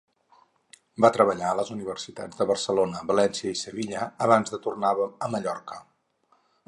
Va treballar a les universitats de Barcelona, València i Sevilla, abans de tornar a Mallorca.